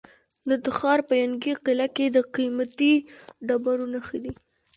د تخار په ینګي قلعه کې د قیمتي ډبرو نښې دي.